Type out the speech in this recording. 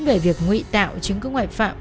về việc nguy tạo chứng cứ ngoại phạm